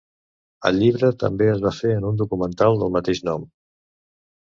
El llibre també es va fer en un documental del mateix nom.